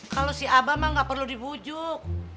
kalau si abah mah nggak perlu dibujuk